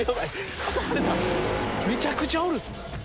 めちゃくちゃおる。